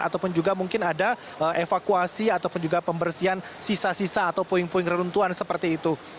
atau mungkin ada evakuasi ataupun juga pembersihan sisa sisa atau poin poin keruntuhan seperti itu